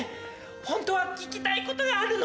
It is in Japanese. ホントは聞きたいことがあるの！